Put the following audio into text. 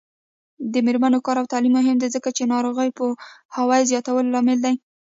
د میرمنو کار او تعلیم مهم دی ځکه چې ناروغیو پوهاوي زیاتولو لامل دی.